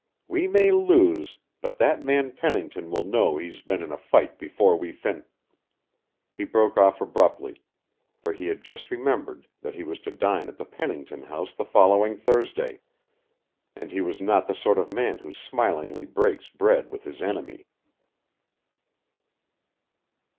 We may lose, but that man Pennington will know he's been in a fight before we fin " He broke off abruptly, for he had just remembered that he was to dine at the Pennington house the following Thursday and he was not the sort of man who smilingly breaks bread with his enemy.